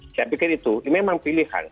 saya pikir itu ini memang pilihan